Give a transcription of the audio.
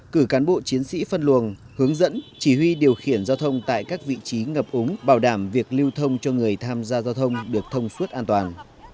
cử cán bộ chiến sĩ phân luồng hướng dẫn chỉ huy điều khiển giao thông tại các vị trí ngập ống bảo đảm việc lưu thông cho người tham gia giao thông được thông suốt an toàn